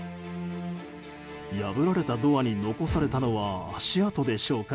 破られたドアに残されたのは足跡でしょうか。